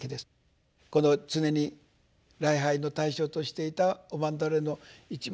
この常に礼拝の対象としていたお曼荼羅の一番